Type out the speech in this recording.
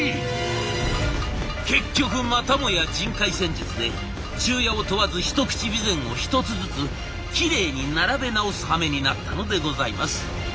結局またもや人海戦術で昼夜を問わずひとくち美膳を一つずつきれいに並べ直すはめになったのでございます。